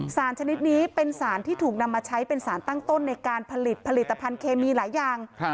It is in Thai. ชนิดนี้เป็นสารที่ถูกนำมาใช้เป็นสารตั้งต้นในการผลิตผลิตภัณฑ์เคมีหลายอย่าง